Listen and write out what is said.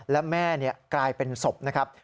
และแม่กลายเป็นศพนะครับ